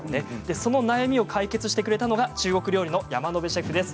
その悩みを解決してくれたのが中国料理の山野辺シェフです。